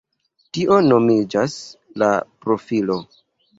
Tio nomiĝas la profilo.